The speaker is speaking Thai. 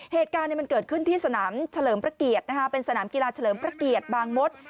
เหตุการณ์มันเกิดขึ้นที่สนามเฉลิมพระเกียรติเป็นสนามกีฬาเฉลิมพระเกียรติบางมศ